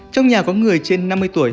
trong nhà có người trên năm mươi tuổi